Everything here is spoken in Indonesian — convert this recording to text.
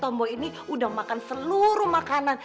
tombol ini udah makan seluruh makanan